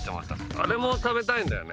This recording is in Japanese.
あれも食べたいんだよね。